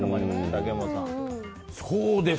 竹山さん。